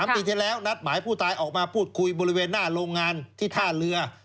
ปีที่แล้วนัดหมายผู้ตายออกมาพูดคุยบริเวณหน้าโรงงานที่ท่าเรือ